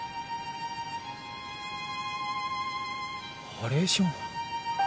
ハレーション？